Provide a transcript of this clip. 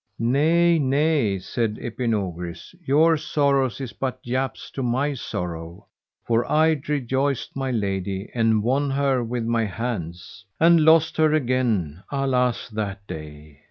Nay, nay, said Epinogris, your sorrow is but japes to my sorrow; for I rejoiced my lady and won her with my hands, and lost her again: alas that day!